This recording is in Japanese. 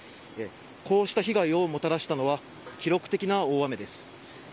こうした被害をもたらしたのは記録的な大雨です。